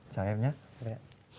chào em nhé